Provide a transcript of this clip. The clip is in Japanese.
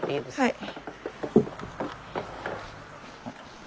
はい。